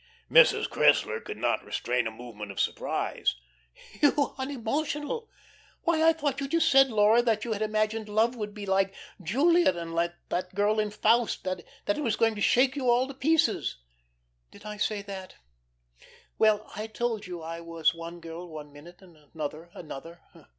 Mrs. Cressler could not restrain a movement of surprise. "You unemotional? Why, I thought you just said, Laura, that you had imagined love would be like Juliet and like that girl in 'Faust' that it was going to shake you all to pieces." "Did I say that? Well, I told you I was one girl one minute and another another.